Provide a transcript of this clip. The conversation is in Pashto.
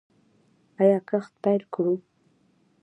آیا کښت پیل کړو؟